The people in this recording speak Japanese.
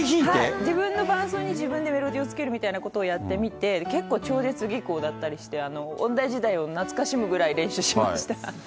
自分の伴奏に自分でメロディーをつけるみたいなことをやってみて、結構、超絶技巧だったりして、音大時代を懐かしむぐらい練習しました。